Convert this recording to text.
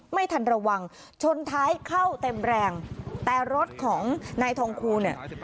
ไม่ทันระวังชนท้ายเข้าเต็มแรงแต่รถของนายทองคูเนี่ย